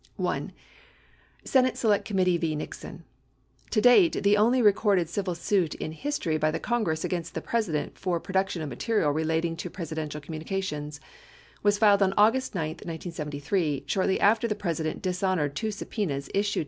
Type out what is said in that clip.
1. Senate Select Committee, v. Nixon — to date, the only recorded civil suit in history by the Congress against the President for produc tion of material relating to Presidential communications — was filed on August 9, 1973, shortly after the President dishonored two subpenas 3 LA p.